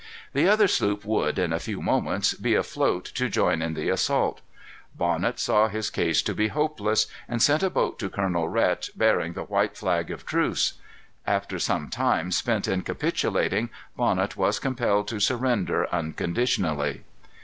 The other sloop would, in a few moments, be afloat to join in the assault. Bonnet saw his case to be hopeless, and sent a boat to Colonel Rhet bearing the white flag of truce. After some time spent in capitulating, Bonnet was compelled to surrender unconditionally.